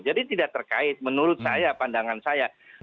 jadi tidak terkait menurut saya pandangan saya